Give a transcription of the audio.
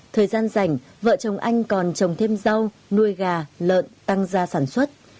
thời gian rảnh vợ chồng anh còn trồng thêm rau nuôi gà lợn tăng gia sản xuất